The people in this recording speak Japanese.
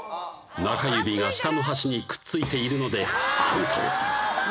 中指が下の箸にくっついているのでアウトま